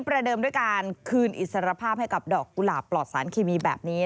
ประเดิมด้วยการคืนอิสรภาพให้กับดอกกุหลาบปลอดสารเคมีแบบนี้